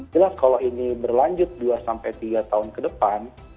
jelas kalau ini berlanjut dua sampai tiga tahun ke depan